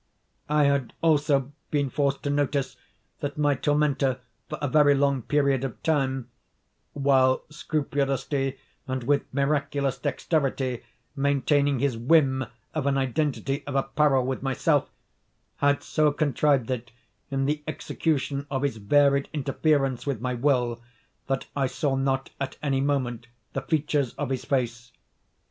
I had also been forced to notice that my tormentor, for a very long period of time, (while scrupulously and with miraculous dexterity maintaining his whim of an identity of apparel with myself,) had so contrived it, in the execution of his varied interference with my will, that I saw not, at any moment, the features of his face.